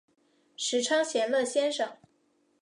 时称闲乐先生。